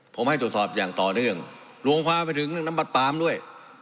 ผมให้ตรวจสอบอย่างต่อเนื่องรวมความไปถึงเรื่องน้ำบัดปามด้วย